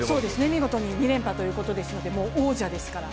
見事に２連覇ということになりますので、王者ですから。